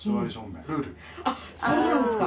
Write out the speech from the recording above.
あっそうなんすか。